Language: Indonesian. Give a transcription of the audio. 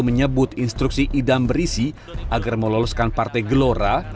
menyebut instruksi idam berisi agar meloloskan partai gelora